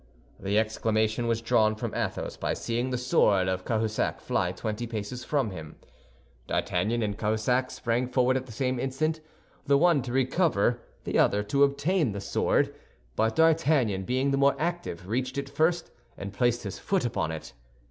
The exclamation was drawn from Athos by seeing the sword of Cahusac fly twenty paces from him. D'Artagnan and Cahusac sprang forward at the same instant, the one to recover, the other to obtain, the sword; but D'Artagnan, being the more active, reached it first and placed his foot upon it.